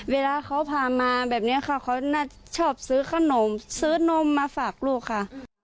เวลาเขาพามาแบบนี้ค่ะเขาน่าชอบซื้อขนมซื้อนมมาฝากลูกค่ะ